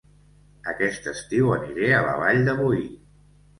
Aquest estiu aniré a La Vall de Boí